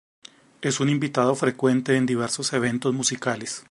Es un invitado frecuente en diversos eventos musicales.